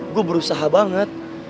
gue berusaha banget